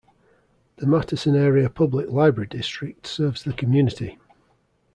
The Matteson Area Public Library District serves the community.